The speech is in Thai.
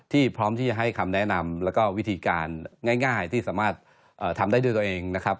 พร้อมที่จะให้คำแนะนำแล้วก็วิธีการง่ายที่สามารถทำได้ด้วยตัวเองนะครับ